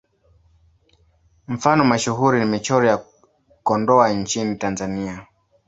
Mfano mashuhuri ni Michoro ya Kondoa nchini Tanzania.